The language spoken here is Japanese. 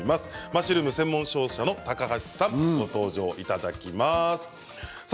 マッシュルーム専門商社の高橋さん、ご登場いただきます。